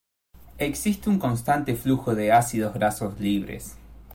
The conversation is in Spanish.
Existe un constante flujo de ácidos grasos libres.